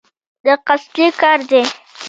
دا قصدي کار دی.